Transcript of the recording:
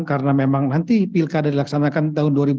karena memang nanti pilkada dilaksanakan tahun dua ribu dua puluh empat